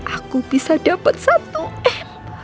aku bisa dapat satu m